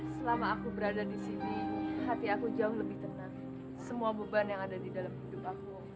selama aku berada di sini hati aku jauh lebih tenang semua beban yang ada di dalam hidup aku